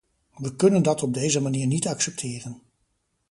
We kunnen dat op deze manier niet accepteren.